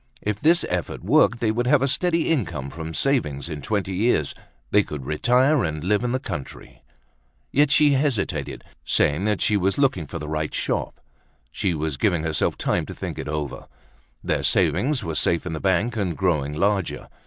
If this effort worked, they would have a steady income from savings in twenty years. They could retire and live in the country. Yet she hesitated, saying she was looking for the right shop. She was giving herself time to think it over. Their savings were safe in the bank, and growing larger.